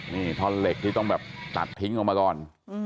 นี่ท่อนเหล็กที่ต้องแบบตัดทิ้งออกมาก่อน